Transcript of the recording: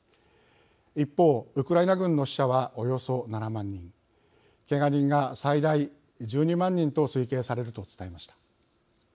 一方、ウクライナ軍の死者はおよそ７万人けが人が最大１２万人と推計されると伝えました。